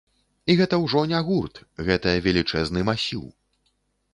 І гэта ўжо не гурт, гэта велічэзны масіў.